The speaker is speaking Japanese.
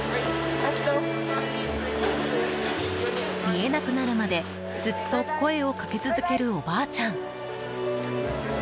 見えなくなるまで、ずっと声をかけ続けるおばあちゃん。